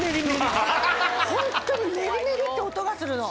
ホントにメリメリって音がするの。